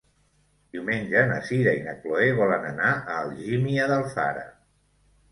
Diumenge na Sira i na Chloé volen anar a Algímia d'Alfara.